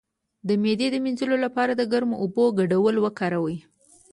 د معدې د مینځلو لپاره د ګرمو اوبو ګډول وکاروئ